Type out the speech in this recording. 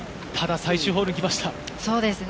ただ最終ホールに来ました。